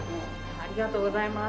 ありがとうございます。